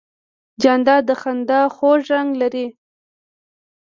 جانداد د خندا خوږ رنګ لري.